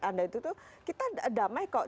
anda itu tuh kita damai kok